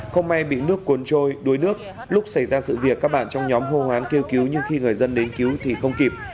những nước cuốn trôi đuối nước lúc xảy ra sự việc các bạn trong nhóm hô hoán kêu cứu nhưng khi người dân đến cứu thì không kịp